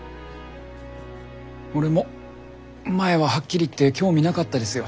俺も前ははっきり言って興味なかったですよ